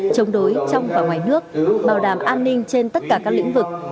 chống đối trong và ngoài nước bảo đảm an ninh trên tất cả các lĩnh vực